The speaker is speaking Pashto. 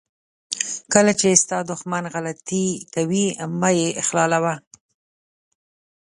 کله چې ستا دښمن غلطي کوي مه یې اخلالوه.